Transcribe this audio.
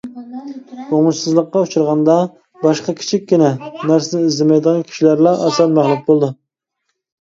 ئوڭۇشسىزلىققا ئۇچرىغاندا «باشقا كىچىككىنە» نەرسىنى ئىزدىمەيدىغان كىشىلەرلا ئاسان مەغلۇپ بولىدۇ.